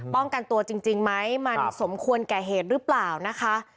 ป้องกันตัวจริงไหมมันสมควรแก่เหตุหรือเปล่านะคะ